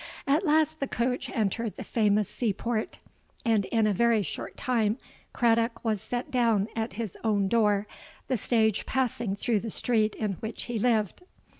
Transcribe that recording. At last the coach entered the famous sea port; and in a very short time Craddock was set down at his own door, the stage passing through the street in which he lived.